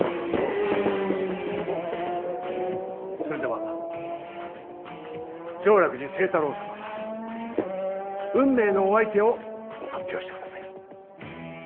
それでは常楽寺清太郎様運命のお相手を発表してください。